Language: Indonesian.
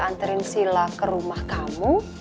anterin sila ke rumah kamu